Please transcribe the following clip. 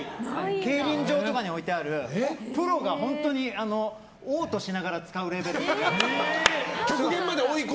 競輪場とかに置いてあるプロが嘔吐しながら使うレベル。